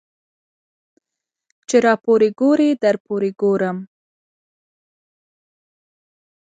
ـ چې راپورې ګورې درپورې ګورم.